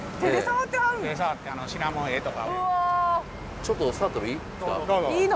ちょっと触ってもいい？